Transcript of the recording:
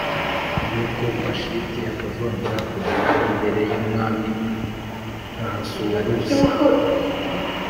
yuko Vashiti atazongera kugera imbere y’Umwami Ahasuwerusi